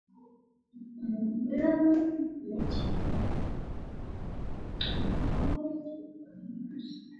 Ungojwa wa kitabibu wa ndigana baridi hujipambanua kwa mnyama kupumua kwa shida